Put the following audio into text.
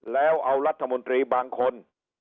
แล้วเอารัฐมนตรีบางคน